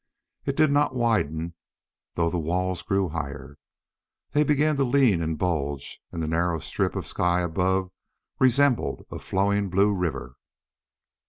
It did not widen, though the walls grew higher. They began to lean and bulge, and the narrow strip of sky above resembled a flowing blue river.